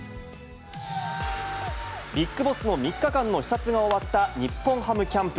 ビッグボスの３日間の視察が終わった日本ハムキャンプ。